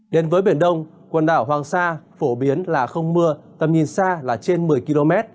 đến với biển đông quần đảo hoàng sa phổ biến là không mưa tầm nhìn xa là trên một mươi km